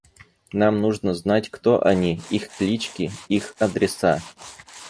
Нам нужно знать, кто они, их клички, их адреса.